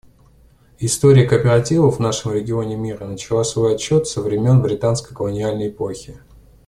История кооперативов в нашем регионе мира начала свой отсчет со времен британской колониальной эпохи.